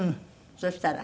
そしたら？